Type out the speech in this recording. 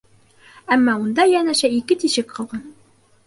Әммә унда йәнәшә ике тишек ҡалған.